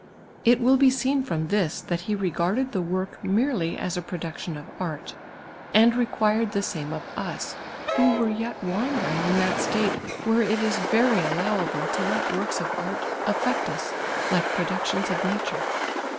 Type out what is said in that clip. It will be seen from this that he re garded the work merely as a production of art, and rccpiirecl the same of us, who were yet wandering in that state where it is very allowable to let works of art afiect us like productions of nature.